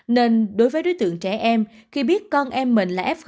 nên đối với đối tượng trẻ em khi biết con em mình là f hai